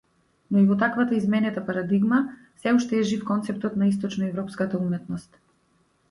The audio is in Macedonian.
Но и во таквата изменета парадигма, сѐ уште е жив концептот на источноеврпската уметност.